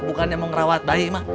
bukannya mau ngerawat bayi mah